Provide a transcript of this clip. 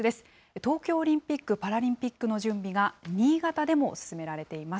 東京オリンピック・パラリンピックの準備が新潟でも進められています。